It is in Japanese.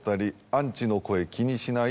「アンチの声気にしない」